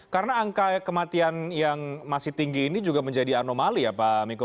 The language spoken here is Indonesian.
karena angka kematian yang masih tinggi ini juga menjadi anomali ya pak miko